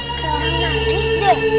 ada orang naik disini